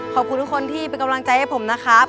ขอบคุณทุกคนที่เป็นกำลังใจให้ผมนะครับ